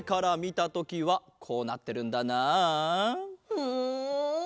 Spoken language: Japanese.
ふん。